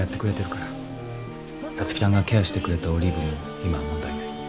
皐月ちゃんがケアしてくれたオリーブも今は問題ない。